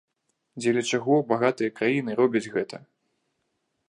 Дзеля чаго багатыя краіны робяць гэта?